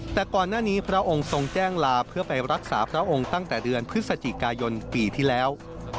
แต่ก่อนหน้านี้พระองค์ทรงแจ้งลาเพื่อไปรักษาพระองค์ตั้งแต่เดือนพฤศจิกายนปีที่แล้ว